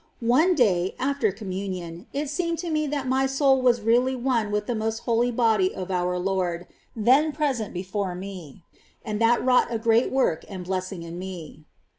One day, after Communion, it seemed to me that my soul was really one with the most Holy Body of our Lord, then present before me ; and that wrought a great work and blessing in me.